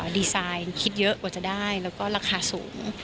ดีไซน์คิดเยอะกว่าจะได้แล้วก็ราคาสูง